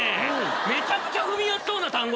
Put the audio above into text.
めちゃくちゃ踏みやすそうな単語！